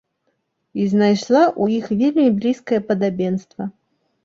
І знайшла ў іх вельмі блізкае падабенства.